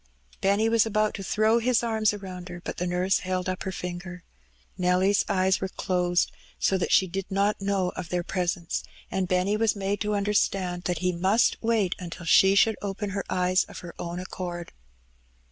Benny was about to throw his arms around her, but the nurse held up her finger. Nelly^s eyes were closed, so that she did not know of their presence, and Benny w:as made to Benny Pkays. U9 nnderstand that he must wait until she should open her ejta of her own accord.